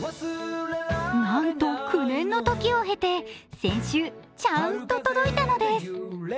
なんと、９年の時を経て先週ちゃんと届いたのです。